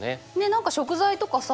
何か食材とかさ